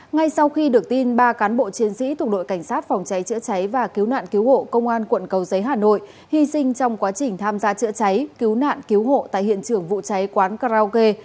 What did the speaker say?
ngay sau khi được tin ba cán bộ chiến sĩ thuộc đội cảnh sát phòng cháy chữa cháy và cứu nạn cứu hộ công an quận cầu giấy hà nội hy sinh trong quá trình tham gia chữa cháy cứu nạn cứu hộ tại hiện trường vụ cháy quán karaoke